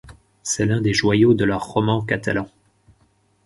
C’est l'un des joyaux de l’art roman catalan.